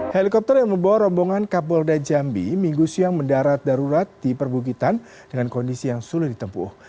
helikopter yang membawa rombongan kapolda jambi minggu siang mendarat darurat di perbukitan dengan kondisi yang sulit ditempuh